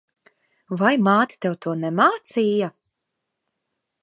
Vai māte tev to nemācīja?